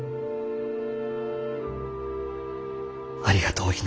ありがとう。